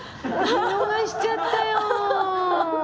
見逃しちゃったよ！